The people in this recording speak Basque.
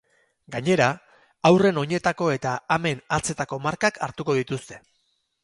Gainera, haurren oinetako eta amen hatzetako markak hartuko dituzte.